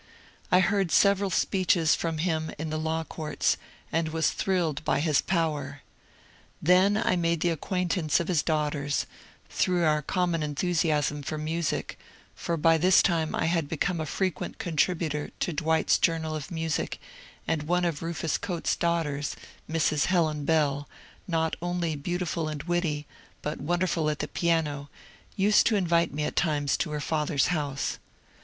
I heard several speeches from him in the law courts, and was thrilled by his power. Then I made the acquaintance of his daughters, through our com mon enthusiasm for music, for by this time I had become a frequent contributor to "Dwight's Journal of Music," and one of Bufus Choate's daughters — Mrs. Helen Bell, not only beautiful and witty, but wonderful at the piano — used to invite me at times to her father's house.